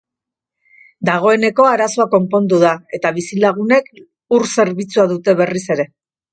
Dagoeneko arazoa konpondu da eta bizilagunek ur-zerbitzua dute berriz ere.